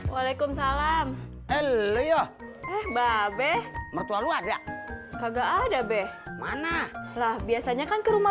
waalaikumsalam helo yo eh babe mertua lu ada kagak ada be mana lah biasanya kan ke rumah